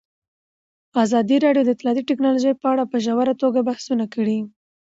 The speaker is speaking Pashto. ازادي راډیو د اطلاعاتی تکنالوژي په اړه په ژوره توګه بحثونه کړي.